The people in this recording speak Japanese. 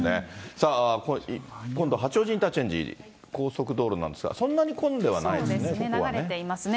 さあ、今度八王子インターチェンジ、高速道路なんですが、そうですね、流れていますね。